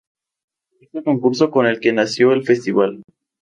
Es el concurso con el que nació el Festival.